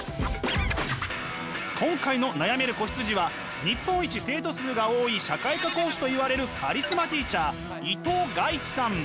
今回の悩める子羊は日本一生徒数が多い社会科講師といわれるカリスマティーチャー伊藤賀一さん。